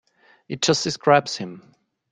It just describes him.